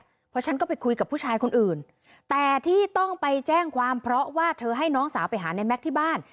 เพราะฉันก็ไปคุยกับผู้ชายคนอื่นแต่ที่ต้องไปแจ้งความเพราะว่าเธอให้น้องสาวไปหาในแก๊กที่บ้าน